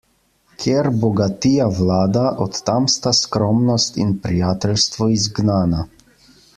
Kjer bogatija vlada, od tam sta skromnost in prijateljstvo izgnana.